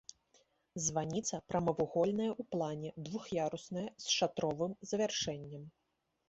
Званіца прамавугольная ў плане, двух'ярусная, з шатровым завяршэннем.